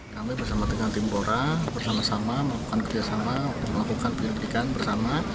kami bersama dengan tim bora bersama sama melakukan kerjasama melakukan penyelidikan bersama